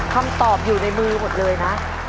คำตอบอยู่ในมือหมดเลยนะ